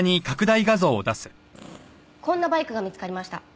こんなバイクが見つかりました。